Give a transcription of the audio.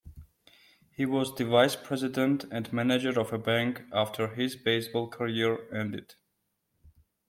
He was the vice-president and manager of a bank after his baseball career ended.